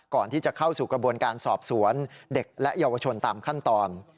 ก่อนที่จะเข้าสู่กระบวนการสอบสวนเด็กและเยาวชนตามขั้นตอน